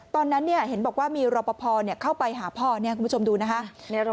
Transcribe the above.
ตอนนั้นเห็นบอกว่ามีรอปภเข้าไปหาพ่อคุณผู้ชมดูนะคะ